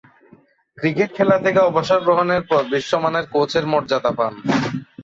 Cricket খেলা থেকে অবসর গ্রহণের পর বিশ্বমানের কোচের মর্যাদা পান।